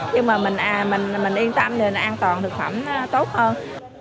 nhưng mà mình yên tâm nên an toàn thực phẩm tốt hơn